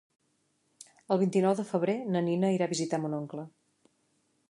El vint-i-nou de febrer na Nina irà a visitar mon oncle.